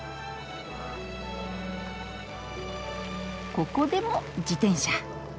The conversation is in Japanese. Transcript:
ここでも自転車。